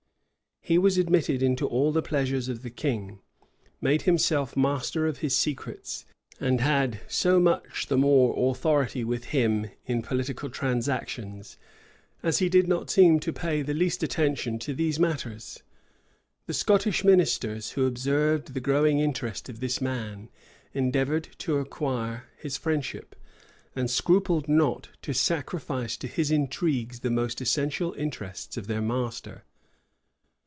He was admitted into all the pleasures of the king; made himself master of his secrets; and had so much the more authority with him in political transactions, as he did not seem to pay the least attention to these matters. The Scottish ministers, who observed the growing interest of this man, endeavored to acquire his friendship; and scrupled not to sacrifice to his intrigues the most essential interests of their master.